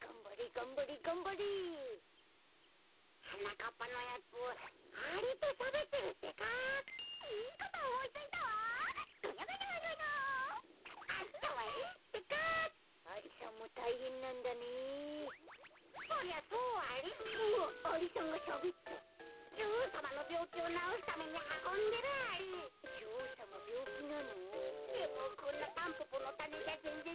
でもこんなタンポポのたねじゃぜんぜんなおらないアリ。